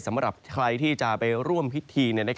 สำหรับใครที่จะไปร่วมพิธี